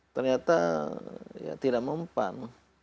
ternyata tidak mempan